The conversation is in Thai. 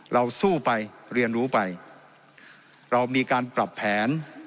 เราสู้ไปเรียนรู้ไปเรามีการปรับแผน